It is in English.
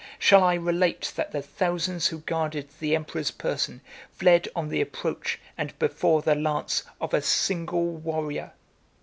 Shall I relate that the thousands who guarded the emperor's person fled on the approach, and before the lance, of a single warrior?